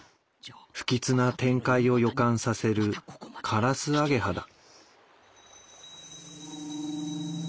不吉な展開を予感させるカラスアゲハだ。